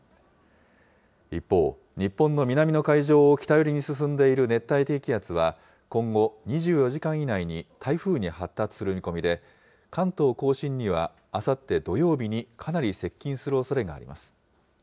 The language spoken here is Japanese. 一方、日本の南の海上を北寄りに進んでいる熱帯低気圧は、今後２４時間以内に台風に発達する見込みで、関東甲信にはあさって土曜日にかなり接近するおそれがあります。